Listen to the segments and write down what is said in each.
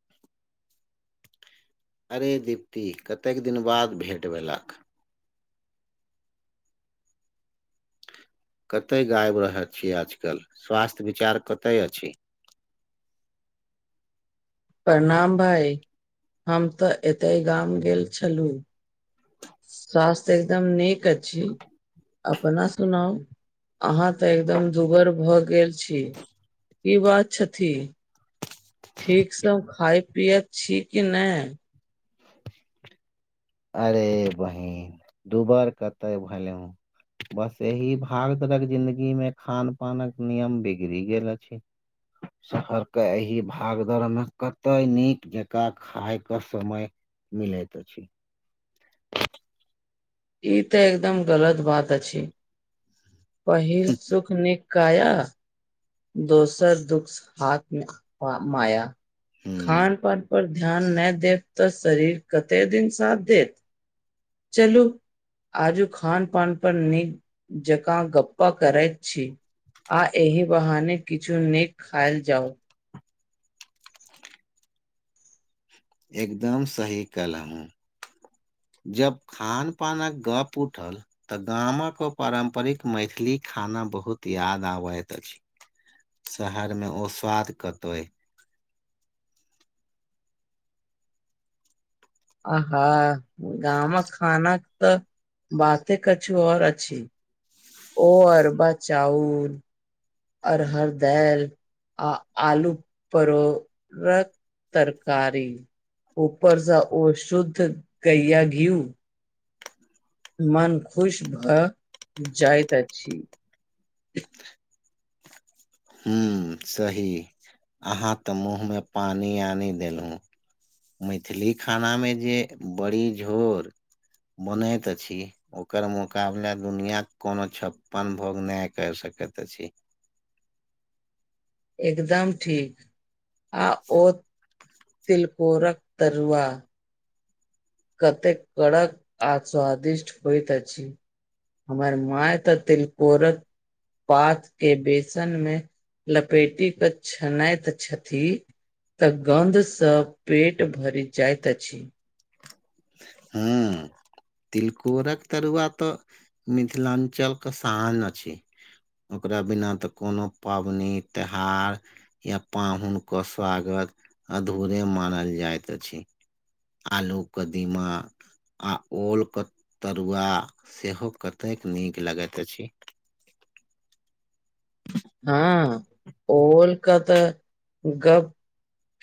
[inaudible] अरे दीप्ति, कतेक दिन बाद भेंट भेलक कते गाबि रहल छियै, आजकल स्वास्थ्य विचार कते अछि। प्रणाम भाय हम तऽ एते गाम गेल छलहुँ। स्वास्थ्य एकदम निक अछि, अपना सुनाउ? अहाँ तऽ एकदम दुगर भए गेल छै कि बात छथि? ठीक से हम खाय पियैत छै कि नहि? [inaudible] अरे बहिन दुबर कतऽ भेलिउ। बस एहि भागतर कऽ जिन्दगीमे खान पानक नियम बिगड़ि गेल अछि शहरके एहि भागदौड़मे कतय निक जकाँ खायके समय। मिलइत अछि। ई तऽ एकदम गलत बात अछि, पहिल सुख निक। कखया दोसर दुख आत्म माया। हूँ खान पान पर। ध्यान नहि देब, तऽ शरीर कते दिन साथ देत चलू। आजु खान पान पर निक जकाँ गप्प करै छी। आ एहि बाहने किछु निक खायल जाउ। एकदम सही कइहला। जब खान पानकऽ गप उठल। तऽ गाम कऽ ओ पारम्परिक मैथिली खाना बहुत याद आबैत अछि। शहरमे ओ स्वाद कतहु। आहा गाम कऽ खानाके तऽ बाते कछु और अछि। ओ बच्चा चाउर। अड़हर दालि। आ आलू परोरक तरकारी। ऊपरसँ ओ शुद्ध गहिआ घिउ। मन खुश भऽ जाइत अछि। हूं सही अहाँ त मुँहमे पानि आनि देलहु। मैथिली खानामे जे बड़ी झोर बनैत अछि ओकर मुकाबला दुनियके कोनो छप्पन भोग नहि करि सकैत अछि। एकदम ठीक आ ओ तिलकोरक तरुआ। कतेक कड़क आ स्वादिष्ट होइत अछि। हमर मांय तऽ तिलकोरक पातके बेसनमे लपेटीं के छनइत छथि। तऽ गन्धस पेट भरि जाइत अछि। हँ तिलकोरक तरुआ तऽ मिथिलांचल क शान अछि। ओकरा बिना तऽ कोनो पाबनि त्योहार या पाहुनके स्वागत अधूरे मानल जाइत अछि। आलू कदीमा आ ओलके तरुआ सेहो कतेक नीक लगैत अछि। हँ ओलक तऽ गप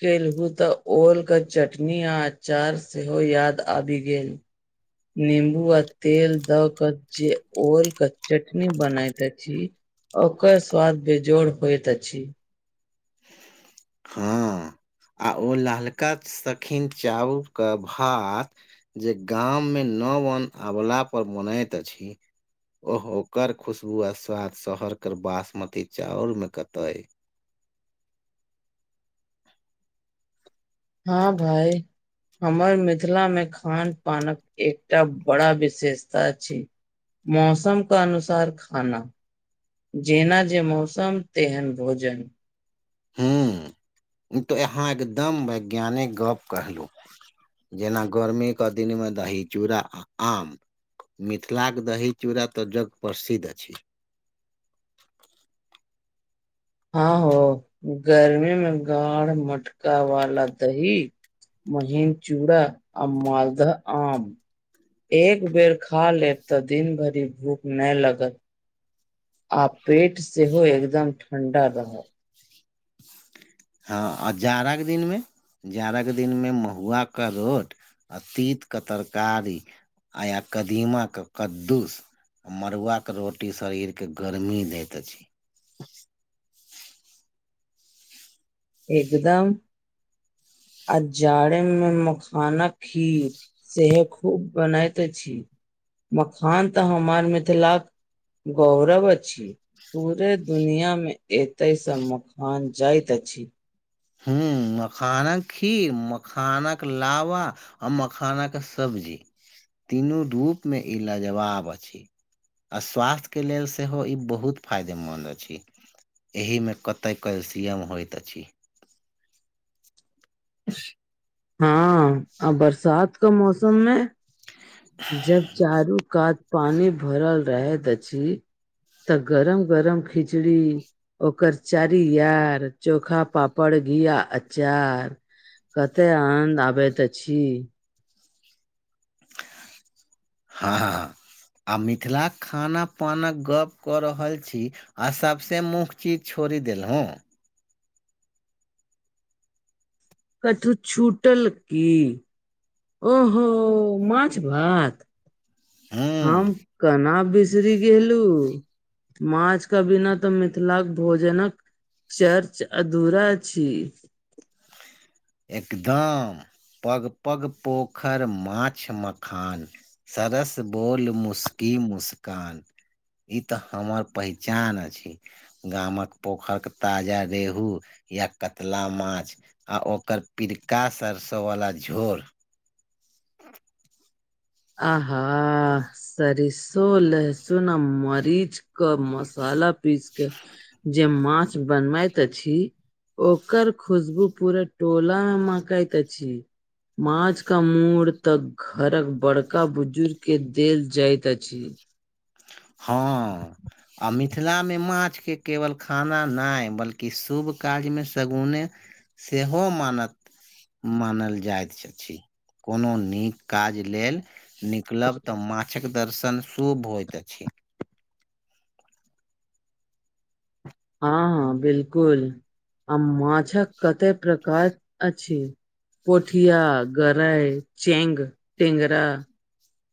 केलहुँ तऽ ओलके चटनी आ अचार सेहो याद आबि गेल। निम्बू आ तेल द क जे ओल के चटनी बनैते अछि ओकर स्वाद बेजोड़ होइत अछि। हँ आ ओल हलका सखिन चाउर के भात जे गाम मे नवन अवला पर बनैत अछि ओहो ओकर खुशबु आ स्वाद शहरके बासमती चाउर मे कतय अइ। हँ भइ। हमर मिथिलामे खान पानक एकटा बड़ा विशेषता अछि। मौसमक अनुसार खाना। जेनाजे मौसम तेहन भोजन। हू ई त अहाँ एकदम वैज्ञानिक गप कहलहुँ। जेना गर्मीके दिनमे दही चूड़ा आ आम। मिथिलाक दही चूड़ा तऽ जग प्रसिद्ध अछि। हँ हो गर्मी में गाढ़ मटका वाला दही महीन चूड़ा आ मालदह आम। एक बेर खा लेब तऽ दिन भरी भूख नै लगत। आ पेट सेहो एकदम ठंडा रहत। हँ आ जाड़ा क दिनमे जाड़ाक दिनमे महुआके रोट आ तीतक तरकारी आ या कदीमा क कद्दूस मड़ुआके रोटी शरीरके गरमी दैत अछि। एकदम आ जाड़े में मखाना खीर। सेहे खूब बनैत अछि मखान तऽ हमर मिथिलाक गौरव अछि। पूरे दुनियामे एतय स मखान जाइत अछि। हू मखानक खीर मखानक लावा आ मखानाक सब्जी तीनू रूप मे ई लाजवाब अछि। आ स्वास्थ्यके लेल सेहो ई बहुत फायदेमन्द अछि। एहिमे कतय कैल्सियम होइत अछि। ब [inaudible] हँ आ बरसात क मौसम मे [inaudible] जब चारू कात पानी भरल रहैत अछि तऽ गरम गरम खिचड़ी ओकर चारि यार चोखा पापड़ घी आ अचार कतेक अनन्द आबैत अछि हँ हँ हँ आ मिथिलाक खाना पाना के गप कऽ रहल छी आ सभसँे मुख चीज छोड़ि देल ह कठू छूटल की ओहो माछ भात हम हूँ कहना बिस शी गलू माछ के बिना तऽ मिथिलाक भोजनक चर्च अधूरा छी एकदम पग पग पोखरि माछ मखान सरस बोल मुस्की मुस्कान ई तऽ हमर पहचान अछि गामक पोखर के ताजा रेहू या कतला माछ आ ओकर पिरिका सरसों वला झोर अ [inaudible] आहा सरिसो लहसुन आ मरीच क मसाला पीस क जे माछ बनबैत अछि ओकर खुशबू पूरा टोलामे मकैत अछि माछ का मूड़ि त घरक बड़का क बुजुर्ग के देल जाइत अछि हँ आ मिथिलामे माछके केवल खाना नहि बल्कि शुभ क्यमे शगुने सेहो मानत मानल जाइत अछि कोनो नीक काज लेल निकलब तऽ माछक दर्शन शुभ होयइत ठीक हँ हँ बिलकुल आ माछक कते प्रकार अछि पोठिया गरइ चेंग टेंगरा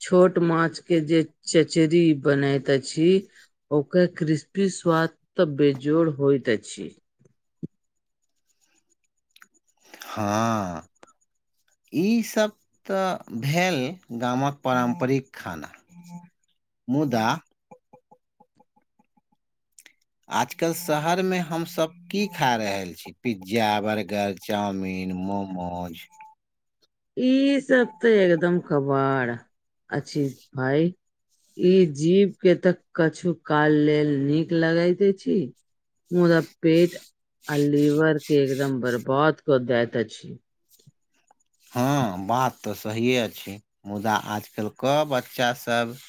छोट माछ के जे चचरी बनाैत अछि ओकर क्रिस्पी स्वाद तऽ बेजोड़ होइत अछि हँ ई सबहक तऽ भेल गामक पारम्परिक खाना मुदा आजकल शहर मे हमसभ की खा रहल छी पिज्जा बर्गर चाउमिन मोमोज ई सब तऽ एकदम कबाड़ अछि भाई ई जीव के तऽ कछु काल लेल नीक लगैत छी मुदा पेट आ लीवर के एकदम बर्बाद क दैत अछि हँ बात तऽ सहिए छै मुदा आजकल क बच्चास सब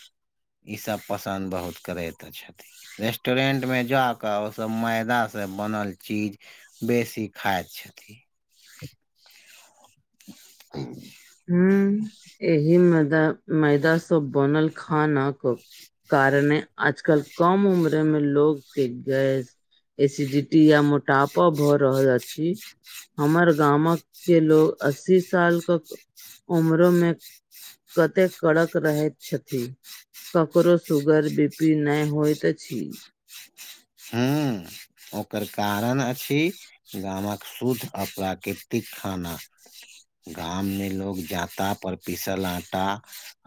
ई सब पसन्द बहुत करे तऽ छथिन रेस्टोरेंट मे जा कऽ ओसभ मैदा से बनल चीज बेसी खााय छथि [inaudible] ह यही मैदा मैदा स बनल खानआक कारणे आजकल कम उम्र मे लोगके गैस एसीडीटी आ मोटापा भ रहल अछि। हमर गामक के लोग अस्सी सालके उम्र मे कते कड़क रहैत छथि। ककरो सुगर बी पी नहि होइत अछि। हूँ ओकर कारण अछि गामक शुद्ध आ प्राकृतिक खाना। गाममे लोग जाँता पर पिसल आटा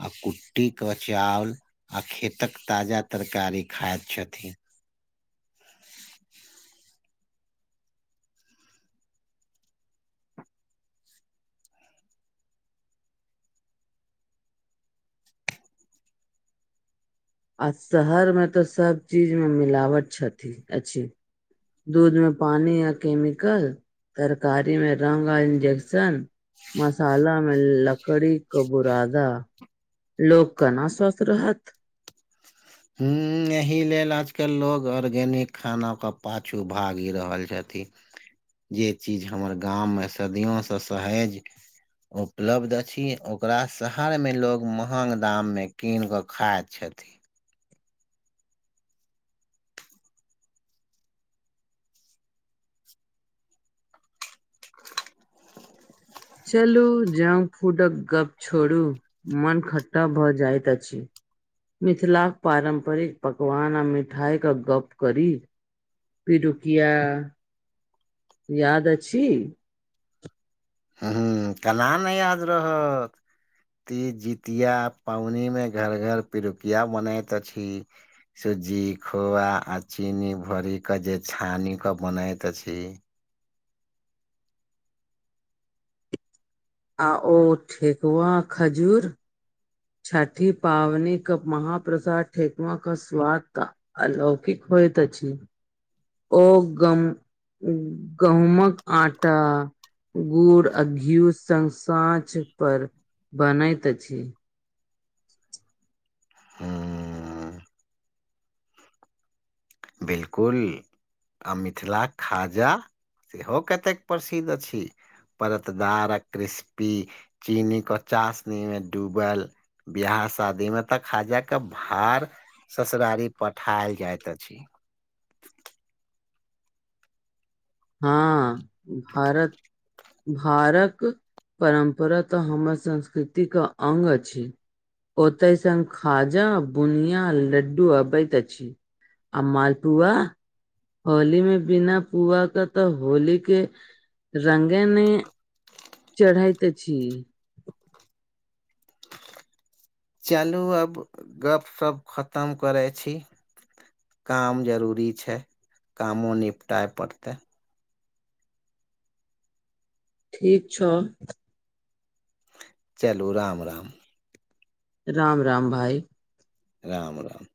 आ कुट्टी के चाावल आ खेतक ताजा तरकारी खाइत छथि। आ शहरमे तऽ सभ चीजमे मिलावट छथि अछि। दूधमे पानी आ केमिकल तरकारीमे रंग आ इंजेक्शन मसालामे लकड़ीक बुरादा। लोक केना स्वस्थ रहत। हूं एहि लेल आजकल लोको आर्गेनिक खानाके पाछू भागि रहल छथि। जे चीज हमर गाममे सदियोसे सहेज उपलब्ध अछि ओकरा शहरमे लोग महंग दाम में कीन कऽ खाइत छथि। चलू जंक फूडक गप छोड़ू मन खट्टाभ जाइत अछि। मिथिलाक पारम्परिक पकवान आ मिठाईके गप्प करी। पिरुकिया याद अछि? हूं केना नहि याद रहत। ती जितिया पावनी में घर घर पिरुकिया बनैत अछि। सुज्जी खोआ आ चीनी भर के जे छानी के बनाैत अछि। आ ओ ठेकुआ खजूर? छठि पावनीक महप्रसाद ठेेकुआक स्वाद त अलौकिक होयत अछि ओ गम गहुमक आटा गुड़ अ घ्यू संग साँच पर बनैत अछि। हु बिलकुल आ मिथिला खाजा? सेहो कतेक प्रसिद्ध अछि परतदार आ क्रिस्पी। चीनीके चासनीमे डूबल बियाह शादी मे तऽ खाजाक भार ससुरारि पठायल जाइत अछि। हँ भरत भारक परम्परा तऽ हमर संस्कृतिक अंग अछि। ओतय सङ् खाजा बुनिया लड्डू अबैत अछि। आ मालपुआ होली मे बिना पुआ के तऽ होली के रंगे नहि चढ़ैत अछि। चालू अब गप सप खतम करै छी। काम जरूरी छैय कामो निपटाए पड़तै। ठीक छौ चलू राम राम राम राम भाइ राम राम